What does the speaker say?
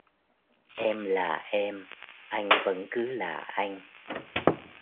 em là em ; anh vẫn cứ là anh.